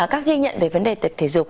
các ghi nhận về vấn đề tập thể dục